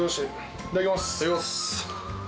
いただきます。